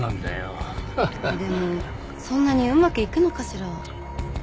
でもそんなにうまくいくのかしら？